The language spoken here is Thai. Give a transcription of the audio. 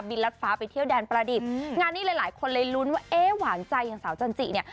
ลัดฟ้าไปเที่ยวแดนประดิษฐ์งานนี้หลายคนเลยลุ้นว่าเอ๊ะหวานใจอย่างสาวจันจิเนี่ย